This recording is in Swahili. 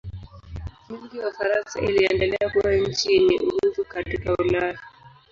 Milki ya Ufaransa iliendelea kuwa nchi yenye nguvu katika Ulaya.